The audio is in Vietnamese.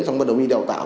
xong rồi đồng ý đào tạo